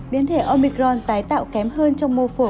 biến thể omicron tái tạo kém hơn trong mô phổi